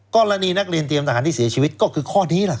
กรณีนักเรียนเตรียมทหารที่เสียชีวิตก็คือข้อนี้แหละ